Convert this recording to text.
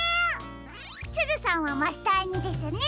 すずさんはマスターにですね。